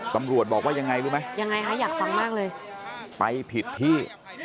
ตำรวจบอกว่ายังไงรู้ไหมไปผิดที่